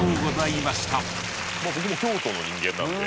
まあ僕も京都の人間なんで。